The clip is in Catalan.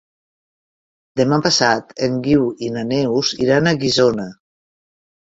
Demà passat en Guiu i na Neus iran a Guissona.